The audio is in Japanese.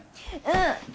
うん。